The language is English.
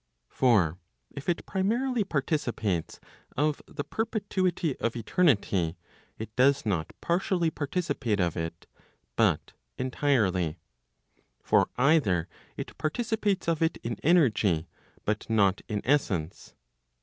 For if it primarily participates of the perpetuity of eternity, it does not partially participate of it, but entirely. For either it participates of it in energy, but not in essence.